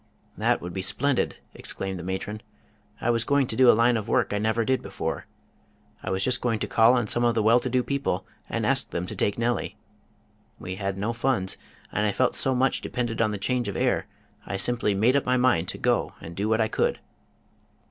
"That would be splendid!" exclaimed the matron. "I was going to do a line of work I never did before. I was just going to call on some of the well to do people, and ask them to take Nellie. We had no funds, and I felt so much depended on the change of air, I simply made up my mind to go and do what I could."